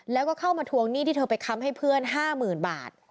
แล้วก็เข้ามาทวงหนี้ที่เธอไปค้ำให้เพื่อน๕๐๐๐บาท